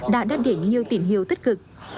đã đạt đến nhiều tỉnh hiệu tích cực